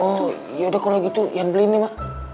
oh ya udah kalau gitu yan beliin nih mah